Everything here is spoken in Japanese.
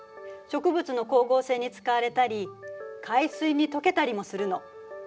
植物の光合成に使われたり海水に溶けたりもするの。